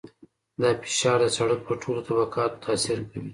دا فشار د سرک په ټولو طبقاتو تاثیر کوي